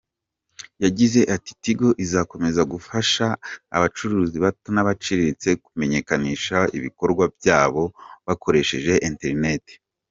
Yagize ati “Tigo izakomeza gufasha abacuruzi bato n’abaciriritse kumenyekanisha ibikorwa byabo bakoresheje internet.